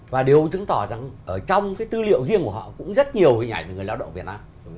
và điều chứng tỏ rằng ở trong cái tư liệu riêng của họ cũng rất nhiều người lao động việt nam